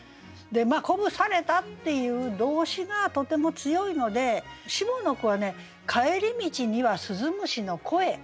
「鼓舞された」っていう動詞がとても強いので下の句は「帰り道には鈴虫の声」。